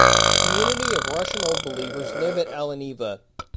A community of Russian Old Believers live at Aleneva.